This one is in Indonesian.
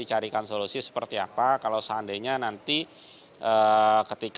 carikan solusi seperti apa kalau seandainya nanti